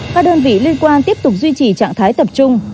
các đơn vị liên quan tiếp tục duy trì trạng thái tập trung